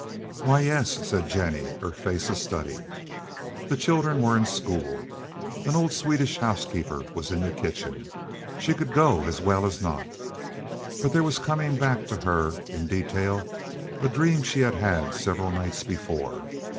"Why yes," said Jennie, her face a study. The children were in school. An old Swedish housekeeper was in the kitchen. She could go as well as not. But there was coming back to her in detail a dream she had had several nights before.